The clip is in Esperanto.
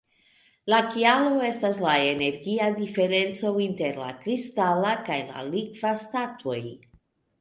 La kialo estas la energia diferenco inter la kristala kaj la likva statoj.